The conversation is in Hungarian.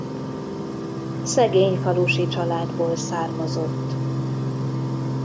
Szegény falusi családból származott.